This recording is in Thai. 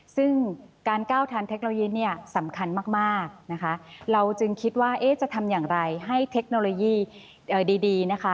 ซึ่งการก้าวทันเทคโนโลยีเนี่ยสำคัญมากนะคะเราจึงคิดว่าจะทำอย่างไรให้เทคโนโลยีดีนะคะ